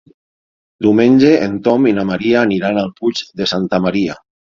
Diumenge en Tom i na Maria aniran al Puig de Santa Maria.